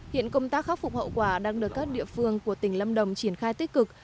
hiện công tác khắc phục hậu quả đang được các địa phương của tỉnh lâm đồng triển khai tích cực